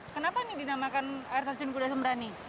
kenapa ini dinamakan air terjun kuda sembrani